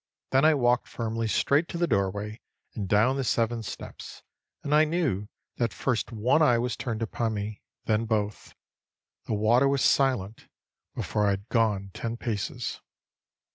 Then I walked firmly straight to the doorway and down the seven steps; and I knew that first one eye was turned upon me, then both; the water was silent before I had gone ten paces.